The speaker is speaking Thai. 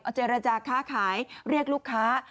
อาจารย์ราชาค้าขายเรียกลูกค้า